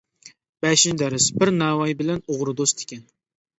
بەشىنچى دەرس بىر ناۋاي بىلەن ئوغرى دوست ئىكەن.